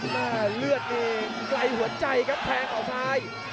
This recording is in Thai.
แม่เลือดเองไกลหัวใจครับแทงออกซ้าย